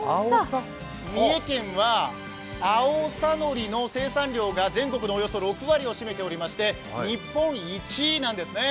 三重県は青さのりの生産量が全国のおよそ６割を占めていて日本一なんですね。